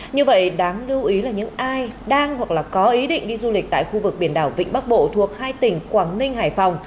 như vậy đáng lưu ý là những ai đang hoặc có ý định đi du lịch tại khu vực biển đảo vịnh bắc bộ thuộc hai tỉnh quảng ninh hải phòng